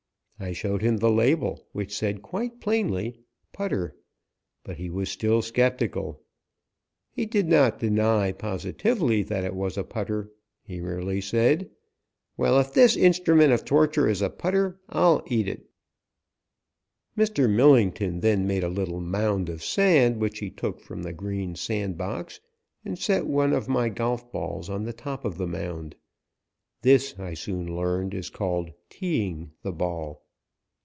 I showed him the label, which said quite plainly "putter," but he was still skeptical. He did not deny positively that it was a putter; he merely said, "Well, if this instrument of torture is a putter, I'll eat it." [Illustration: 201] Mr. Millington then made a little mound of sand which he took from the green sandbox, and set one of my golf balls on top of the mound. This, I soon learned, is called "teeing" the ball.